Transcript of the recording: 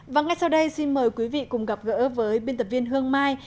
và ngay sau đây xin mời quý vị cùng gặp gỡ với biên tập viên hương mai